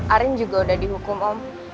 arin juga udah dihukum om